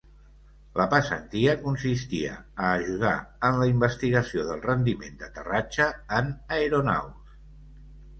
La passantia consistia a ajudar en la investigació del rendiment d'aterratge en aeronaus.